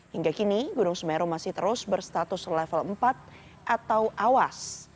hingga kini gunung semeru masih terus berstatus level empat atau awas